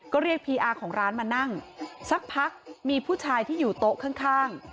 ก็เรียกพีอาร์ของร้านมานั่งสักพักมีผู้ชายที่อยู่โต๊ะข้าง